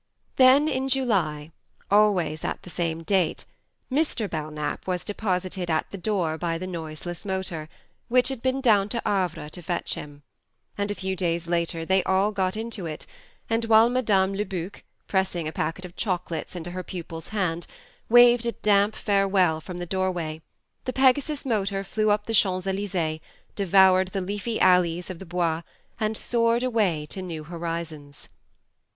Then in July always at the same date Mr. Belknap was deposited at the door by the noiseless motor, which had been down to Havre to fetch him ; 8 THE MARNE and a few days later they all got into it, and while Madame Lebuc (pressing a packet of chocolates into her pupil's hand) waved a damp farewell from the doorway, the Pegasus motor flew up the Champs Elyse'es, devoured the leafy alleys of the Bois, and soared away to new horizons.